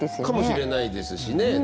かもしれないですしね。